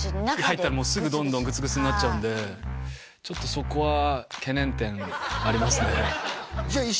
中で入ったらすぐどんどんグツグツになっちゃうんでちょっとそこは懸念点ありますねじゃ